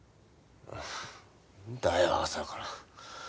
んだよ朝から。